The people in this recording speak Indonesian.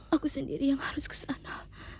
aku sendiri yang harus ke sana